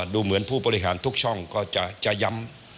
ดูเหมือนผู้บริหารทุกช่องก็จะย้ำ